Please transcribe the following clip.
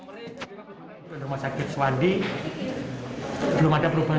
merenggari choco pon di mama